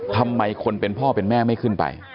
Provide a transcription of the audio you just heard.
ทำไมคนเป็นพ่อเป็นแม่ไม่ขึ้นไป